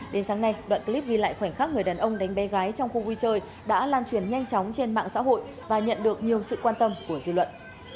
đến sáng nay đoạn clip ghi lại khoảnh khắc người đàn ông đánh bé gái trong khu vui chơi đã lan truyền nhanh chóng trên mạng xã hội và nhận được nhiều sự quan tâm của dư luận